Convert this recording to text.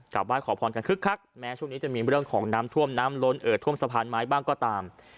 ไห้ขอพรกันคึกคักแม้ช่วงนี้จะมีเรื่องของน้ำท่วมน้ำล้นเอิดท่วมสะพานไม้บ้างก็ตาม